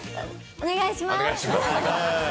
お願いします。